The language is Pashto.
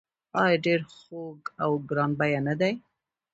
آیا ډیر خوږ او ګران بیه نه دي؟